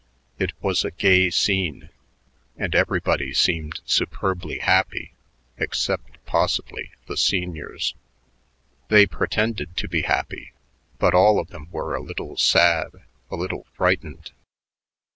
It was a gay scene, and everybody seemed superbly happy except, possibly, the seniors. They pretended to be happy, but all of them were a little sad, a little frightened.